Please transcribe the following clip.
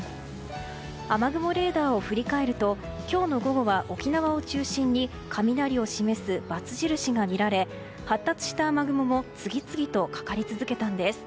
雨雲レーダーを振り返ると今日の午後は沖縄を中心に雷を示すバツ印が見られ発達した雨雲も次々とかかり続けたんです。